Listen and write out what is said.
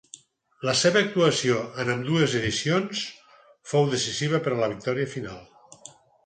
La seva actuació en ambdues edicions fou decisiva per a la victòria final.